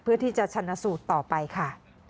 เพื่อที่จะชนะสูตรต่อไปค่ะ